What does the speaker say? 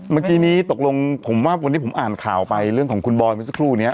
เมื่อกี้นี้ตกลงผมว่าวันนี้ผมอ่านข่าวไปเรื่องของคุณบอยเมื่อสักครู่นี้